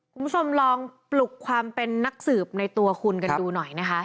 คุณผู้ชมลองปลุกความเป็นนักสืบในตัวคุณกันดูหน่อยนะคะ